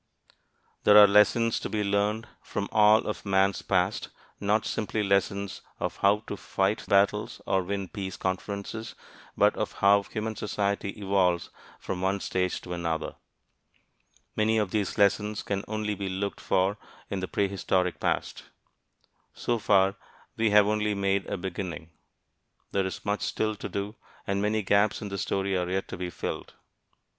There are lessons to be learned from all of man's past, not simply lessons of how to fight battles or win peace conferences, but of how human society evolves from one stage to another. Many of these lessons can only be looked for in the prehistoric past. So far, we have only made a beginning. There is much still to do, and many gaps in the story are yet to be filled.